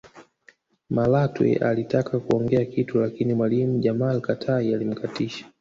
Malatwe alitaka kuongea kitu lakini mwalimu Jamal Katai alimkatisha